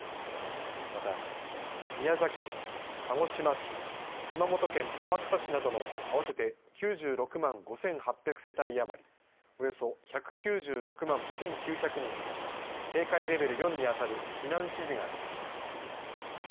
また、宮崎市、鹿児島市熊本県天草市などの合わせて９６万５８００世帯余りおよそ１９６万１９００人に警戒レベル４に当たる避難指示が出ています。